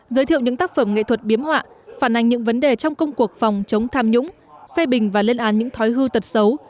giới thiệu những tác phẩm nghệ thuật biếm họa phản ảnh những vấn đề trong công cuộc phòng chống tham nhũng phê bình và lên án những thói hư tật xấu